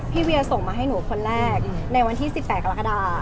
เวียส่งมาให้หนูคนแรกในวันที่๑๘กรกฎา